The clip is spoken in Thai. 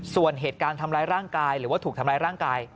ส่วนเหตุการณ์ทำร้ายร่างกายหรือว่าถูกทำร้ายร่างกาย